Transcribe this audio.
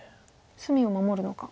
隅を守るのか。